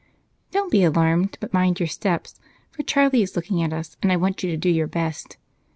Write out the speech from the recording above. "Don't be alarmed, but mind your steps, for Charlie is looking at us, and I want you to do your best.